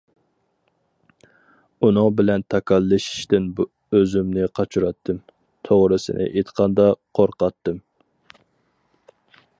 ئۇنىڭ بىلەن تاكاللىشىشتىن ئۆزۈمنى قاچۇراتتىم، توغرىسىنى ئېيتقاندا قورقاتتىم.